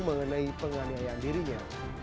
mengenai penganiayaan dirinya